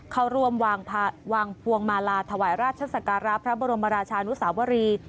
เข้าร่วมวางพวงมาลาถวายราชศักระพระบรมราชานุสาวรี